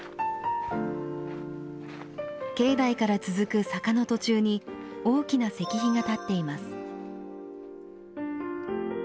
境内から続く坂の途中に大きな石碑が立っています。